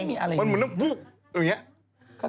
มันเหมือนว่าบุ๊บอย่างนี้